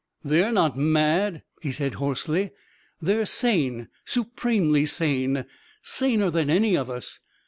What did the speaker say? " They're not mad !" he said, hoarsely. " They're sane — supremely sane ! Saner than any of us!